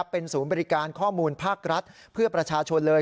เป็นศูนย์บริการข้อมูลภาครัฐเพื่อประชาชนเลย